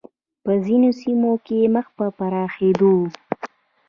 په ځینو سیمو کې مخ په پراخېدو و